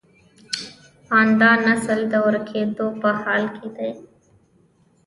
د پاندا نسل د ورکیدو په حال کې دی